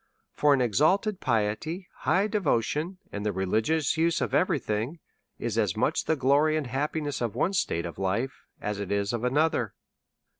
For an exalted piety, high devotion, and the reli gious use of every thing, are as much the glory and happiness of one state of life as it is of anotlier.